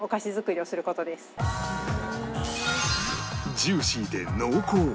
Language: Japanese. ジューシーで濃厚！